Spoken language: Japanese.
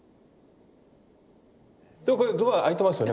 これドア開いてますよね。